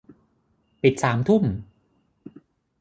ปิดสามทุ่ม